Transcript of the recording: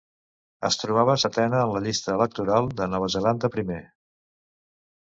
Es trobava setena en la llista electoral de Nova Zelanda Primer.